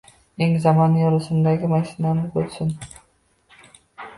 Eng zamonaviy rusumdagi mashinamiz bo’lsin.